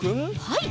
はい。